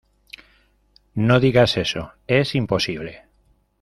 no digas eso... ¡ es imposible!